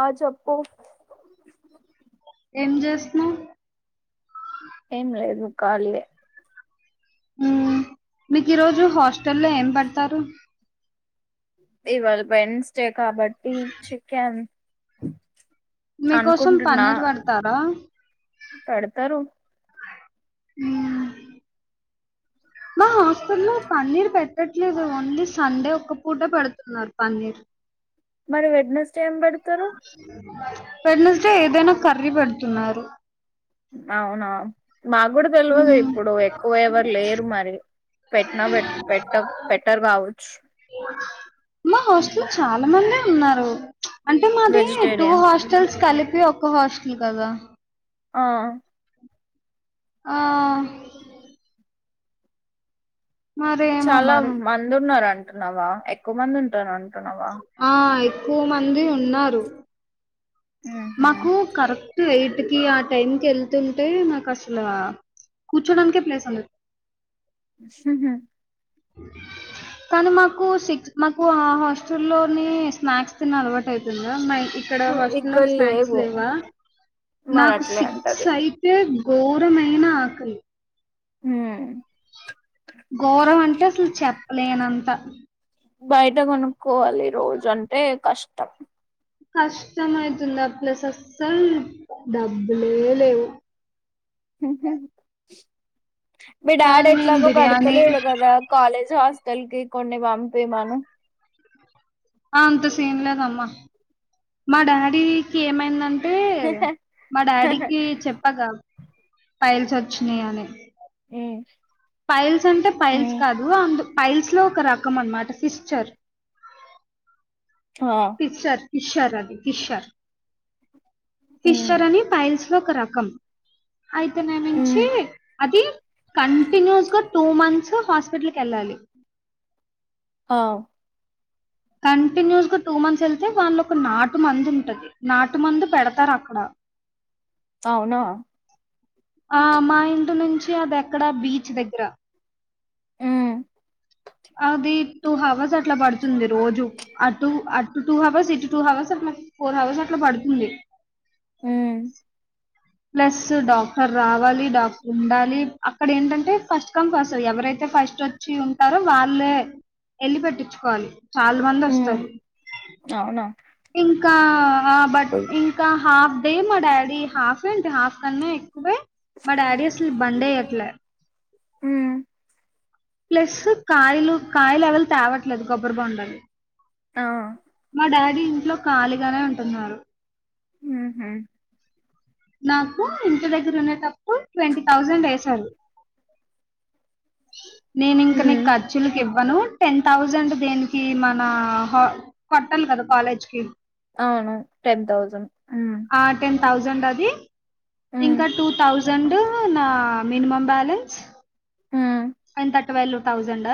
ఆచెప్పు ఏం చేస్తున్నావ్? ఏం లేదు కాలిఏ హ్మ్. మీకు ఈ రోజు హాస్టల్లో ఏం పెడతారు? ఇవాళ పేరెంట్స్ డే కాబట్టి చికెన్ మీకోసం అనుకుంటున్నా పన్నీరు పెడతారా? పెడతారు ఆ మా హాస్టల్లో పన్నీర్ పెట్టట్లేదు ఓన్లీ సండే ఒక్క పూట పెడుతున్నారు పన్నీర్. మరి వెెడ్నెస్ డే ఏం పడుతు వెన్స్డే ఏదైనా కర్రీ పెడుతున్నారు. అవునా మాకు కూడా తెలివదు హ్మ్. ఇప్పుడు ఎక్కువ ఎవరు లేరు మరి పెట్న ప ప పెట్టర్ గవచ్చ మా హాస్టల్ చాలా మంది ఉన్నారు అంటే మాది టూ వెజిటేరియన్స్ హాస్టల్స్ కలిపి ఇది ఒక్క హాస్టల్ కదా ఆ ఆ మరేమో చాలా మరి. మంది ఉన్నారు అంటున్నావా ఎక్కువ మంది ఉంటానుంట ఆ ఎక్కు మంది ఉన్నారు. మ్హూ. మాకు కరెక్ట్ ఎయిట్ కీ ఆ టైం కెల్ తుంటే మాక్ అసల కూర్చోడానికే ప్లేస్ ఉండ హ్ మ్ కనీ మాకు సిక్స్ మాకు ఆ హాస్టల్లోనే స్నాక్స్ తిన్ అలవాటైతుందా మై ఇక్కడ హాస్టల్లో ఇక్కడ స్నాక్స్ లేవు లేవా మరి నాకు అట్లే సిక్స్ అంటది అయితే ఘోరమైన ఆకలి హ్ ఘోరమంటే అసల్ చెప్పలేనంత. బైట కొనుక్కోవాలి రోజు అంటే కష్టం. కష్టం అయితుంద్ ఆ ప్లస్ అస్సల్ డబ్బులే లేవు. హ్ హ్ మీ కానీ డాడీ నేను ఎట్లాగో బిర్యానీ కడ్తలేడు కదా కాలేజ్, హాస్టల్కి కొన్ని పంపీమను. ఆ అంత సీన్ లేదమ్మా మా డాడీకి ఏమైందం టే మా డాడీకి చెప్పాగా ఫైల్స్ వచ్చినయి అని మ్ పైల్స్ అంటే పైల్స్ కాదు అందు ఫైల్స్లో ఒక రకం అన్మాట ఫిషర్ ఆ ఫిషర్ ఫిషర్ అది ఫిషర్ ఉమ్ ఫిషర్ అని ఫైల్స్ లో ఒక రకం అయితే ఉమ్ నేమించీ అది కంటిన్యూస్గా టూ మంత్స్ హాస్పిటల్కెళ్ళాలి. ఆ కంటిన్యూస్గా టూ మంత్స్ వెళ్తే వాళ్ళొక నాటు మంది ఉంటది. నాటు మందు పెడతార్ అక్కడ అవునా ఆ మా ఇంటి నుంచి అది ఎక్కడా బీచ్ దగ్గర ఉమ్ అది టూ హవర్స్ అట్ల పడుతుంది రోజు అటు అటు టూ హవర్స్ ఇటు టూ హవర్స్ అ ఫోర్ అవర్స్ అట్లా పడుతుంది. మ్ ప్లస్ డాక్టర్ రావాలి, డాక్టర్ ఉండాలి అక్కడ ఏంటంటే ఫస్ట్ కమ్ ఫస్ట్ ఎవరైతే ఫస్ట్ వచ్చి ఉంటారో వాళ్ళే ఎళ్లి పెట్టిచ్చుకోవాలి. చాలా మంది ఉమ్ వస్తారు. అవునా ఇంకా ఆ బట్ ఇంకా హాఫ్ డే మా డాడీ హాఫ్ ఏంటి హాఫ్ కన్నా ఎక్కువే మా డాడీ అసలు బండేయ్యట్ల హ్మ్ ప్లస్ కాయలు కాయల్ ఎవల్ తేవట్లేదు గొబ్బరి బొండాలు ఆ మా డాడీ ఇంట్లో ఖాళీగానే ఉంటున్నారు. మ్ హ్ నాకు ఇంటి దగ్గరున్నే టప్ ట్వంటీ థౌజండ్ ఏసారు. నేనింక నీక్ ఉమ్ ఖర్చులుక్ ఇవ్వను టెన్ థౌజండ్ దేనికీ మన హా కట్టాలి కదా కాలేజ్కి అవును టెన్ తౌసంద్ మ్ తౌసండ్ అది ఇంకా టూ తౌసం సండ్ నా మినిమం బాలెన్స్ ఉమ్ ఎంత ట్వల్వ్ థౌజండ్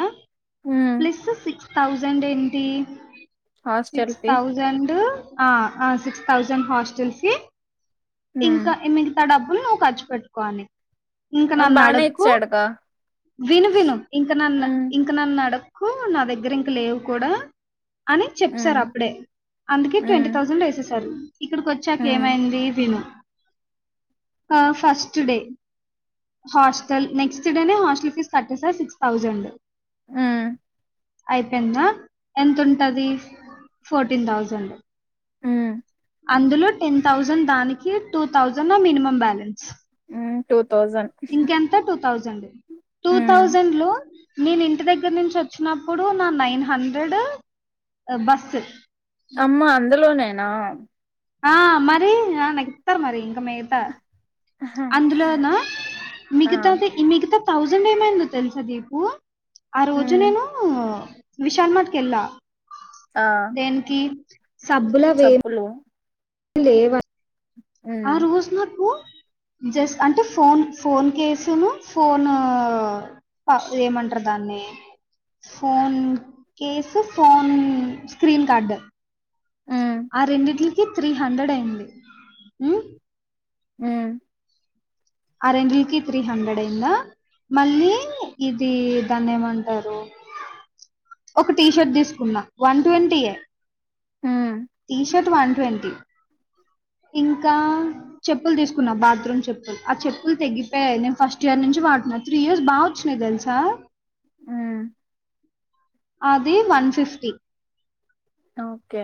ఉమ్ ప్లస్ సిక్స్ థౌజండ్ ఏంటి హాస్టల్ సిక్స్ ఫీ థౌజండ్ ఆ ఆ సిక్స్ థౌసండ్ హాస్టల్కీ ఉమ్ ఇంకా మిగితా డబ్బులు నువ్ ఖర్చు పెట్టుకో అని ఇంకా బానే నన్నడక్కు ఇచ్చాడుగా విను విను ఇంక నన్ ఉమ్ ఇంక నన్నడక్కు నా దగ్గరింక లేవు కూడా అని ఉమ్ చెప్పిసార్ అప్పుడే అందుకే ట్వంటీ ఉమ్ థౌసండ్ వేసేసారు. ఇక్కడికొచ్చాక ఉమ్ ఏమైంది విను ఆ ఫస్ట్ డే హాస్టల్ నెక్స్ట్ డేనే హస్టల్ ఫీజ్ కట్టేసా సిక్స్ థౌజండ్ మ్ అయిపోయిందా ఎంతుంటది ఫోర్టీన్ థౌజండ్ మ్ అందులో టెన్ థౌసండ్ దానికి టూ థౌసండ్ మినిమం బ్యాలెన్స్ మ్ టూత్ ఇంకెంత టూ థౌజండ్ టూ ఉమ్ థౌజండ్లో నేన్ ఇంటి దగ్గర్నుంచి వచ్చినప్పుడు నా నైన్ హండ్రెడ్ బస్ అమ్మ అందులోనేనా ఆ మరీ ఆ నాకిత్తారు మరీ మిగతా ఆహా అందులోనా ఆ మిగతాది మిగితా థౌజండ్ ఏమైందో తెల్సా దీపు ఆ రోజు ఉమ్ నేనూ విశాల్ మార్ట్ కెల్లా ఆ దేనికి సబ్బుల వే చెప్పులు లేవ ఉమ్ ఆ రోజ్ నాకు [unintelligible] జస్ట్ అంటే ఫోన్ ఫోన్ కేసుము ఫోన్ త ఏమంటరు దాన్నీ phone case phone screen card ఉమ్ ఆ రెండింటిలికి త్రీ హండ్రెడ్ అయింది. మ్ మ్ ఆ రెండిటికి త్రీ హండ్రెడ్ అయిందా మళ్ళీ ఇదీ దాన్నేమో అంటారు ఒక టీ షర్ట్ తీస్కున్నా వన్ ట్వంటీయే హ్మ్ టీ షర్ట్ వన్ ట్వంటీ [unintelligible] ఇంకా చెప్పుల్ తీసుకున్నా బాత్రూమ్ చెప్పుల్ ఆ చెప్పుల్ తెగ్గిపోయాయి నేన్ ఫస్ట్ ఇయర్ నుంచి వాడు న్న త్రీ ఇయర్స్ బాగొచ్చినయి తెల్సా మ్ అది వన్ ఫిఫ్టీ ఓకే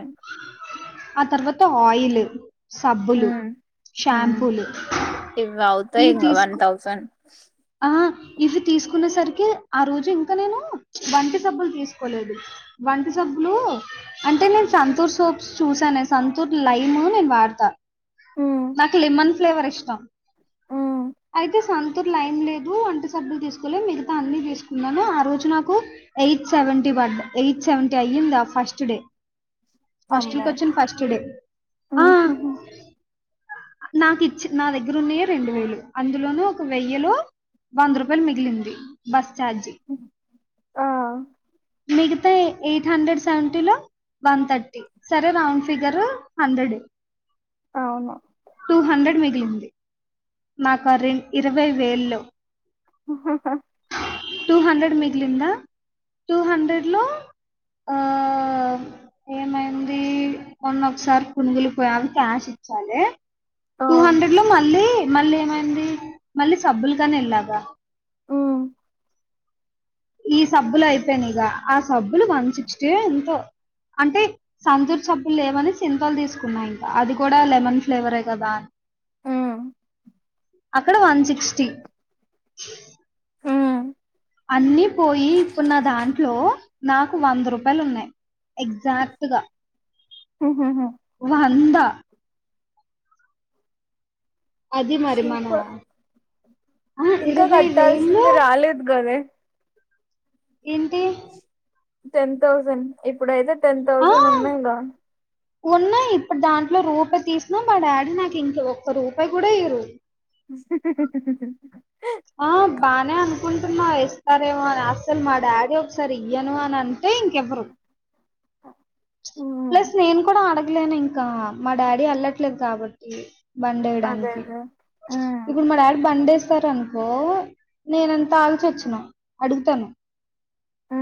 ఆ తర్వాత ఆయిల్ సబ్బులు, ఉమ్ ఉమ్ షాంపూలు ఇవి ఈ అవుతాయి ఇంగ వన్ తీస్కో థౌసండ్ ఆ ఇవి తీస్కునే సరికే ఆ రోజు ఇంకా నేను వంటి సబ్బులు తీస్కోలేదు వంటి సబ్ బ్బులు అంటే నేన్ సంతూర్ సోప్స్ చూసానే సంతూర్ లైమ్ నేన్ వాడతా. ఉమ్ మాకు లెమన్ ఫ్లేవర్ ఇష్టం ఉమ్ అయితే సంతూర్ ల [unintelligible] ఒంటి సబ్బులు తీస్కోలే మిగతా అన్ని తీసుకున్నాను ఆ రోజు నాకు ఎయిట్ సేవేంటి పాడ్ ఎయిట్ సేవ్ టియింద ఆ ఫస్ట్ డే హాస్టెల్కి అమ్మో వచ్చిన ఫస్ట్ డే ఆ ఉహుహు నాకు ఇచ్చి నా దగ్గర ఉన్నాయే రెండు వేలు అందులోనూ ఒక వెయ్యలో వంద రూపాయలు మిగిలింది బస్ ఛార్జి ఆ మిగతా ఎయిట్ హండ్రెడ్ సెవెంటీలో వన్ థర్టీ సరే రౌండ్ ఫిగర్ హండ్రెడ్ అవును టూ హండ్రెడ్ మిగిలింది నాకు ఆ రెం ఇరవై వేల్లో హ హ హ టూ హండ్రెడ్ మిగిలిందా టూ హండ్రెడ్ లో ఆ ఏమైంది మొన్న ఒకసారి పనుగు్లికి పోయ క్యాష్ ఇ చాలే ఆ టూ హండ్రెడ్ లో మళ్ళీ మళ్ళీ ఏమైంది మళ్ళీ సబ్బులకాని ఎల్లగా ఉమ్ ఈ సబ్బులు అయిపోయిన్నిగా ఆ సబ్బులు వన్ సిక్స్టీ ఎంతో అంటే సంతూర్ సబ్బులు లేవని సింతోల్ తీసుకున్నా ఇంకా అది కూడా లెమన్ ఫ్లేవరే కదా ఉమ్ అక్కడ వన్ సిక్స్టీ ఉమ్ అన్ని పోయి ఇప్పుడు నాదాంట్లో నాకు వంద రూపాయలు ఉన్నాయి ఎక్జాక్ట్గా ఉహుహు వంద అదే మరి మనా సూపర్ ఇంకా కట్టాల్సింది రాలేదు గాదె ఏంటి టెన్ థౌజండ్ ఇప్పుడైతే టెన్ ఆ థౌజండ్ ఉన్నాయి గ ఉన్నాయి ఇప్పుడు దాంట్లో రూపాయి తీసినా మా డాడీ నాకు ఇంక ఒక్క రూపాయి కూడా ఇవ్వరు హ హ హ ఆ బానే అనుకుంటున్నా ఇస్తారేమో అని అస్సలు మా డాడీ ఒకసారి ఇయ్యను అని అంటే టే ఇంక ఇవ్వరు హ్మ్. ప్లస్ నేను కూడా అడగలేను ఇంకా మా డాడీ వెళ్లట్లేదు కాబట్టి అదే బండేడానికి అదే. హ్మ్. ఇప్పుడు మ డాడ బండేస్ సార్ అనుకో నేనంతా ఆల్చి వచ్చిన అడుగుతాను ఆ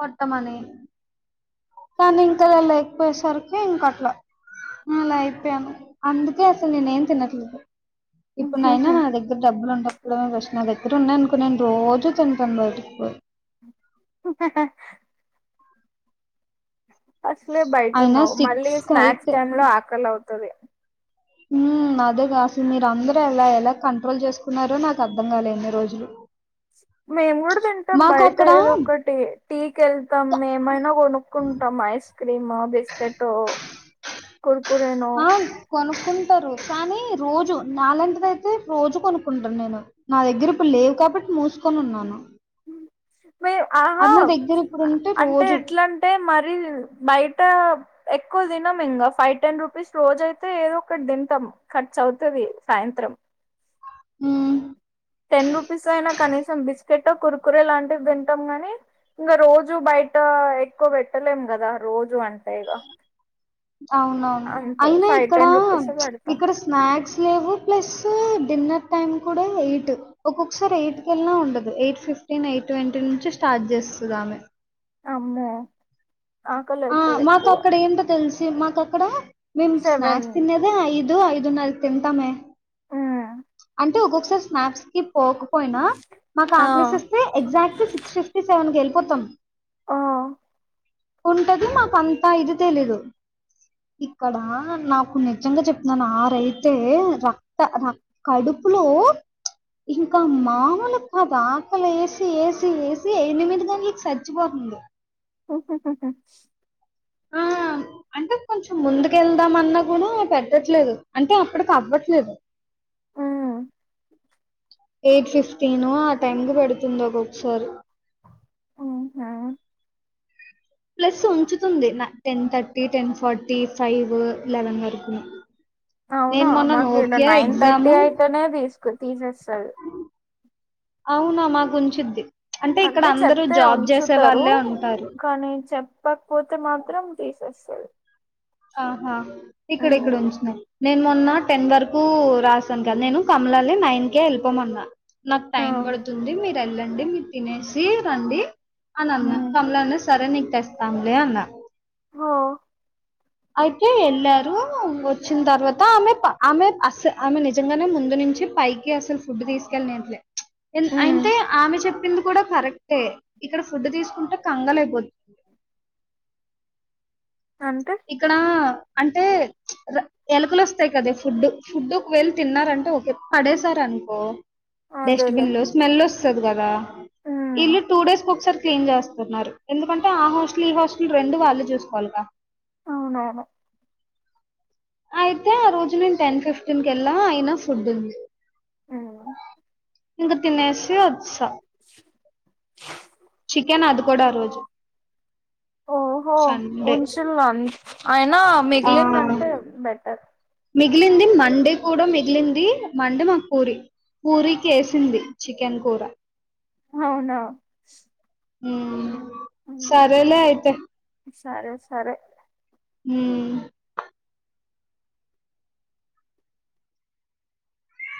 వర్తమాన్ని కానీ ఇంకాల లేకపోయేసరికి ఇంక అట్లా అలా అయిపోయాను అందుకే అసాల్ నేనే ఏం తినట్లేదు ఇప్పుడునైనా నా దగ్గర డబ్బులుండవ్ ఇప్పుడే ఫస్ట్ నా దగ్గర ఉన్నాయ్అనుకో నేను రోజు తింటాను బైటిక్పోయి హ హ అస్సలే బయట అయినా ఉన్నావు మళ్ళీ స్నాక్స్ కయితే టైమ్ లో ఆకలి అవుతది హ్మ్ అదేగాసల్ మీరు అందరుూ ఎలా ఎలా కంట్రోల్ చేసుకున్నారో నాకు అర్ధం కాల ఇన్నిరోజులు మేము కూడా తింటాం బయట ఏదో ఒకటి టీకెళ్తామ్ మేమైనా కొనుక్కుంటాం ఐస్ క్రీమ బిస్కెటో కుర్కురేనో తింటారు కానీ రోజు నాలాంటిదైతే రోజు కొనుకుంటను నేను నా దగ్గర ఇప్పుడు లేవు కా కాబట్టి మూసుకొని ఉన్నాను ఆహా అది నా దగ్గర ఇప్పుడు ఉంటే అంటే రోజు ఎట్లా అంటే మరి బయట ఎక్కువ తినం ఇంకా ఫైవ్ టెన్ రూపీస్ రోజ అయితే ఏదో ఒకటి తింటాం ఖర్చ అవుతుది సాయం త్రం ఉ టెన్ రూపీస్ అయినా కనీసం బ ట్ట కురకుర లాంటివి తింటాం గాని ఇంకా రోజు బయట ఎక్కువ పెట్టలేం కదా రోజు అంతేగా అవునవును అయినా ఇక్కడ టెన్ రూపీసే పెడతాం ఇక్కడ స్నాక్స్ లేవు ప్లస్ డిన్నర్ టైం కూడా ఎయిట్ ఒక్కొక్కసారి ఎయిట్ కెళ్నా ఉండదు ఎయిట్ ఫిఫ్టీన్ ఎయిట్ ట్వంటీ నుంచి స్టార్ట్ చేస్త తది అమె ఆమ్మో ఆ మాకు అక్కడ ఏంటో తెలుసు మాకు అక్కడ మేము సెవెన్ స్నాక్స్ తినేదే ఐదు ఐదున్నరా కి తింటామే మ్మ్ అంటే ఒక్కొక్కసారి స్నాప్స్ కకి పోక్ పోయినా మాకు ఆ క్లేస్ ఇస్తే ఎగ్జాక్ట్ సిక్స్ ఫిఫ్టీ సెవెన్ కి వెళ్ళిపోతాం ఆ ఉంటది మాకు అంతా ఇది తెలీదు ఇక్కడ నాకు నిజంగా చెప్తున్నాను ఆ రైతే రక్త రక్ కడుపు పులో ఇంకా మాముూలు కాదు ఆకలి వేసి వేసి వేసి ఎనిమిదిగానీ నకు సచ్చిపోతు ఉ ఓహాహహ ఆ! అంటే కొంచెం ముందుకు వెళ్దా అన్నా కూడా పెట్టట్లేదు అంటే అప్పడుకి అవ్వట్లేదు మ్మ్ ఎయిట్ ఫిఫ్టీను ఆ టైం కి పడుతుంది ఒక్కొక్కసారి ఆఓహా ప్లస్ ఉంచుతుంది నా ten thirty ten forty five eleven వరకు అవునా మాకు ఏ నైన్ థర్టీ అయితేనే తీసుకు తీసేస్తుంది అవునా మాకు ఉంచిద్ది అంటే చెప్తే ఉంచుతారు వాళ్ళే ఉంటారు. కానీ చెప్పకపోతే మాత్రం తీసేస్తారు ఆహా ఇక్కడ ఇక్కడ ఉంచిన్నా నేను మొన్న టెన్ వరకు రాసాను కదా నేను కమలాలి నైన్కే వెళ్ళపోమ అన్నా నాకు ఆ టైం పడుతుంది మీరు వెళ్ళండి మీరు తినేసి రండి అన్ని అన్నాను మ్మ్ కమలాన్ని సరే నీకు తెస్తాంలే అన్నారు ఓ అయితే వెళ్ళారు వచ్చిన తర్వాత ఆమె ఆమె అస్ ఆమె నిజంగానే ముందు నుంచి పైకి అస ఫుడ్ తీసుకె ఉమ్ అయి ఆమె చెప్పి దీ కూడా కరెక్టే ఇక్కడ ఫుడ్ తీసుకుంటే కంగల్ అయిపోతుంది అంటే ఇక్కడ అంటే ఎలుకలు వస్తాయి కదా ఫుడ్ ఫుడ్కి వెళ్ళి తిన్నారంటే ఓకే పడేశార అదేలే డస్ట్బిన్ లో స్మెల్ వస్తుంది కదా ఉమ్ ఇల్లు టూ డేస్ కు ఒకసారి క్లీన్ చేస్తున్నారు ఎందుకంటే ఆ హాస్టల్ ఈ హాస్టల్ రెండు వాళ్ళు చూసుకోవాలి కాబట్టి అవునవును అయితే ఆ రోజు నేను టెన్ ఫిఫ్టీన్ కెళ్లా అయినా ఫుడ్ంది ఆ ఇక తినేసి వచ్సా చికెన్ అది కూడా ఆ రోజు ఓహో సండే. ఉంచల్లో అ అయినా ఆ! మిగిలింద అంటే బెట్ ట్ర్ మిగిలింది మండే కూడా మిగిలింది మండే మాక్పూరి పూరీ కేసింది చికెన్ కూర అవునా హ్మ్ ఉమ్, సరేలే అయితే సరే సరే హ్మ్మ్